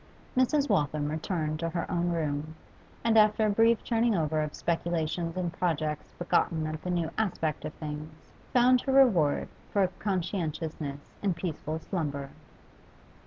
Mrs. Waltham returned to her own room, and after a brief turning over of speculations and projects begotten of the new aspect of things, found her reward for conscientiousness in peaceful slumber.